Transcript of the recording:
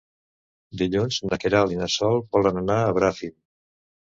Dilluns na Queralt i na Sol volen anar a Bràfim.